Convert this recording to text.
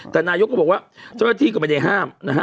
แต่นายกก็บอกว่าเจ้าหน้าที่ก็ไม่ได้ห้ามนะฮะ